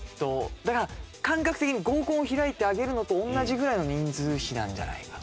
だから感覚的に合コンを開いてあげるのと同じぐらいの人数比なんじゃないかなと。